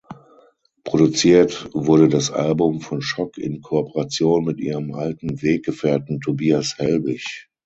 Produziert wurde das Album von Schock in Kooperation mit ihrem alten Weggefährten Tobias Helbich.